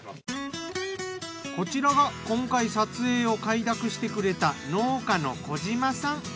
こちらが今回撮影を快諾してくれた農家の小島さん。